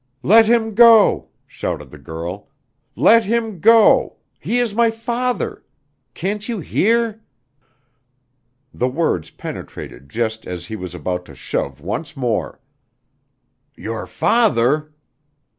"Let him go!" shouted the girl. "Let him go! He is my father! Can't you hear?" The words penetrated just as he was about to shove once more. "Your father?"